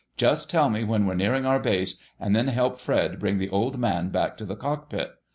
Just tell me when we're nearing our base, and then help Fred bring the Old Man back to the cockpit."